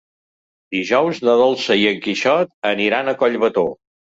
Dijous na Dolça i en Quixot aniran a Collbató.